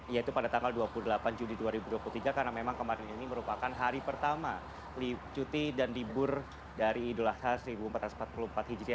yaitu pada tanggal dua puluh delapan juli dua ribu dua puluh tiga karena memang kemarin ini merupakan hari pertama cuti dan libur dari idul adha seribu empat ratus empat puluh empat hijri